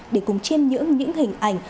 để cùng chêm những hình ảnh